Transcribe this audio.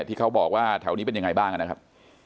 ที่เขาบอกว่าแถวนี้เป็นยังไงบ้างนะครับ